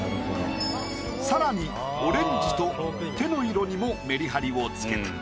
さらにオレンジと手の色にもメリハリをつけた。